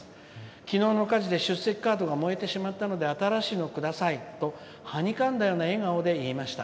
きのうの火事で出席カードが燃えてしまったので新しいのをくださいとはにかんだような笑顔で言いました。